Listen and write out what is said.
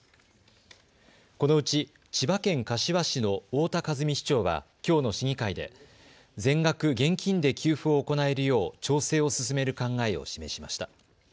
このうち千葉県柏市の太田和美市長はきょうの市議会で全額現金で給付を行えるよう調整を進める考えを示しました。